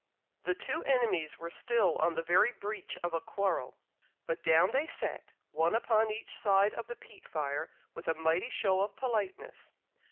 The two enemies were still on the very breach of a quarrel; but down they sat, one upon each side of the peat fire, with a mighty show of politeness.